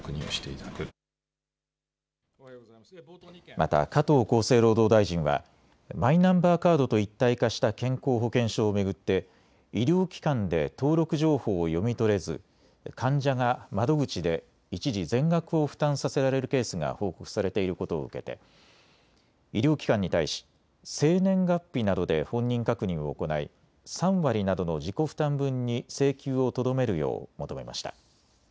また加藤厚生労働大臣はマイナンバーカードと一体化した健康保険証を巡って医療機関で登録情報を読み取れず患者が窓口で一時全額を負担させられるケースが報告されていることを受けて医療機関に対し生年月日などで本人確認を行い３割などの自己負担分に請求をとどめるよう求めました。